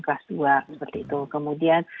kelas dua seperti itu kemudian